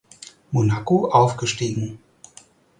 Monaco aufgestiegen.